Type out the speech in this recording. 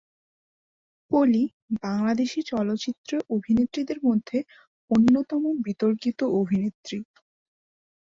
পলি বাংলাদেশী চলচ্চিত্র অভিনেত্রীদের মধ্যে অন্যতম বিতর্কিত অভিনেত্রী।